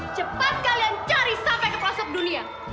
cepat kalian cari sampai ke pelosok dunia